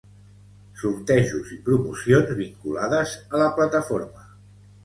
Sortejos i promocions vinculades a la plataforma